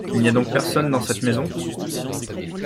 Il n’y a donc personne dans cette maison ?